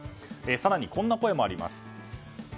更に、こんな声もあります。